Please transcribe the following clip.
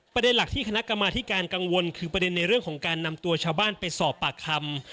ประเด็นหลักที่คณะกรรมาธิการกังวลคือประเด็นในเรื่องของการนำตัวชาวบ้านไปสอบปากคำ